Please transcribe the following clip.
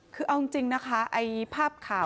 คือเอาจริงนะคะ